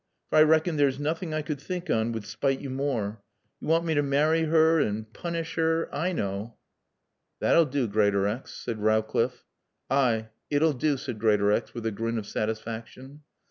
For I rackon theer's noothin' I could think on would spite yo' moor. Yo' want mae t' marry 'er t' poonish 'er. I knaw." "That'll do, Greatorex," said Rowcliffe. "Ay. It'll do," said Greatorex with a grin of satisfaction.